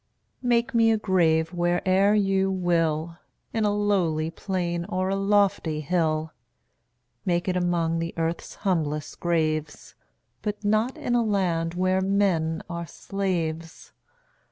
Make me a grave where'er you will, In a lowly plain or a lofty hill; Make it among earth's humblest graves, But not in a land where men are slaves.